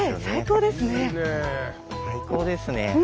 最高ですね。